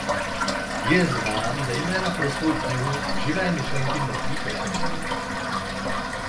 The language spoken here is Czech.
Je znám zejména pro svou knihu "Živé myšlenky mrtvých ekonomů".